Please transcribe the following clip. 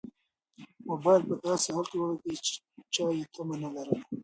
موبایل په داسې حال کې وغږېد چې چا یې تمه نه لرله.